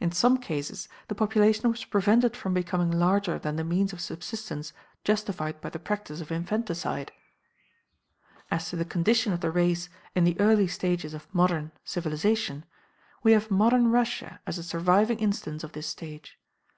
In some cases the population was prevented from becoming larger than the means of subsistence justified by the practice of infanticide. As to the condition of the race in the early stages of "modern" civilization, we have modern Russia as a surviving instance of this stage.